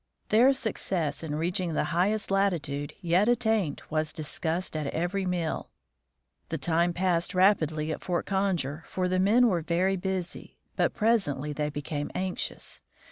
Their success in reaching the highest latitude yet at tained was discussed at every meal. The time passed rapidly at Fort Conger, for the men were very busy, but presently they became anxious.